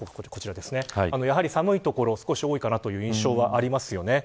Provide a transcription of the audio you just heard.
やはり寒い所、少し多いかなという印象はありますね。